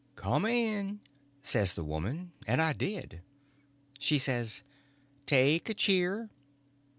"Come in," says the woman, and I did. She says: "Take a cheer."